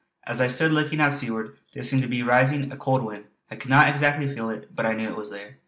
As I stood looking out seaward there seemed to be rising a cold wind; I could not exactly feel it, but I knew it was there.